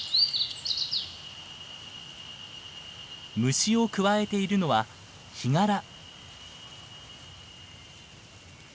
虫をくわえているのはヒガラ。